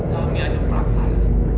kami hanya peraksan